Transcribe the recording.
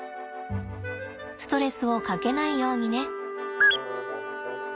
ストレスをかけないようにね。